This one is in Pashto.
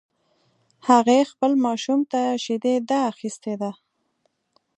هغې خپل ماشوم ته شیدي ده اخیستی ده